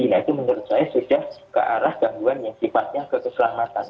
nah itu menurut saya sudah ke arah gangguan yang sifatnya kekeselamatan